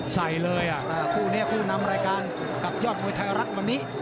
ใส่เลยคู่นี้คู่นำรายการกับยอดมวยไทยรัฐวันนี้